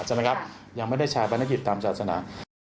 ใช่ไหมครับยังไม่ได้ชาปนกิจตามศาสนา